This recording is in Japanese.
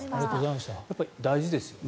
やっぱり大事ですね。